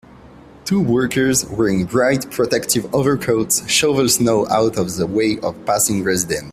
Two workers wearing bright protective overcoats, shovel snow out of the way of passing residents.